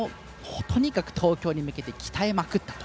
とにかく東京に向けて鍛えまくったと。